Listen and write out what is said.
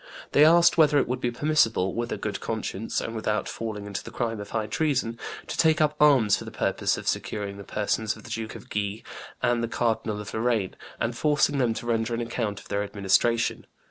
They asked whether it would be permissible, with a good conscience and without falling into the crime of high treason, to take up arms for the purpose of securing the persons of the Duke of Guise and the Cardinal of Lorraine, and forcing them to render an account of their administration.